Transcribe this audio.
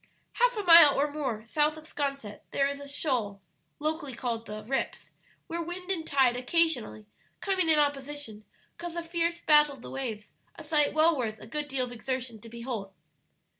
Half a mile or more south of 'Sconset there is a shoal (locally called "the rips") where wind and tide occasionally, coming in opposition, cause a fierce battle of the waves, a sight well worth a good deal of exertion to behold.